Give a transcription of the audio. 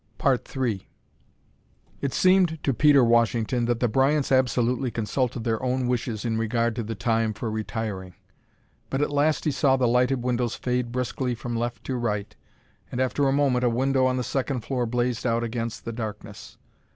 III It seemed to Peter Washington that the Bryants absolutely consulted their own wishes in regard to the time for retiring; but at last he saw the lighted windows fade briskly from left to right, and after a moment a window on the second floor blazed out against the darkness.